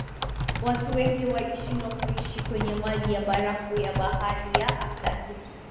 watu wengi walishindwa kuishi kwenye maji ya barafu ya bahari ya atlantiki